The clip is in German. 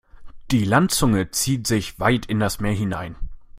Die Landzunge zieht sich weit in das Meer hinein.